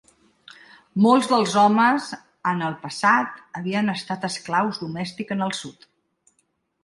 Molts dels homes en el passat havien estat esclaus domèstics en el sud.